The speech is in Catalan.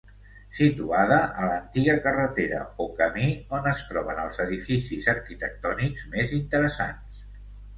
Situada a l'antiga carretera o camí on es troben els edificis arquitectònics més interessants.